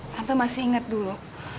tante masih ingat dulu